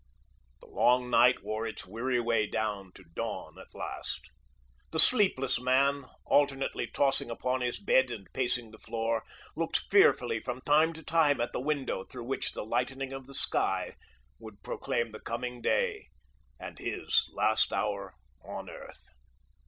The long night wore its weary way to dawn at last. The sleepless man, alternately tossing upon his bed and pacing the floor, looked fearfully from time to time at the window through which the lightening of the sky would proclaim the coming day and his last hour on earth.